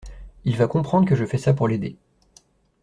Il va comprendre que je fais ça pour l’aider.